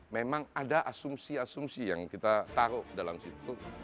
memang ada asumsi asumsi yang kita taruh dalam situ